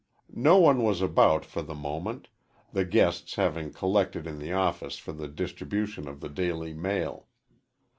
No one was about for the moment, the guests having collected in the office for the distribution of the daily mail.